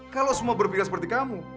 kalau semua berpikir seperti kamu